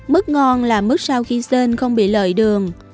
mức ngon là mức sao khi sên không bị lợi đường